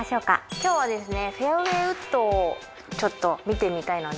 今日はですねフェアウェイウッドをちょっと見てみたいので。